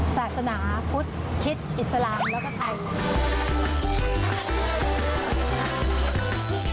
ศาสนาพุทธคิดอิสระแล้วก็ใคร